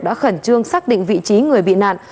đã khẩn trương xác định vị trí người bị nạn